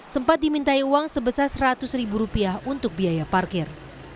sempat dimintai uang sebesar seratus ribu rupiah untuk biaya parkir